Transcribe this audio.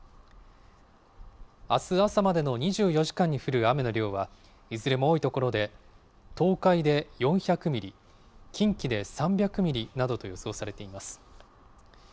あす朝までの２４時間に降る雨の量は、いずれも多い所で、東海で４００ミリ、近畿で３００ミリなどと予想されています。